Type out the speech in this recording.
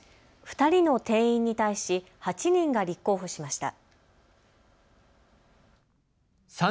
２人の定員に対し８人が立候補しました。